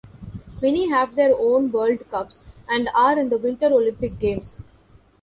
Many have their own world cups and are in the Winter Olympic Games.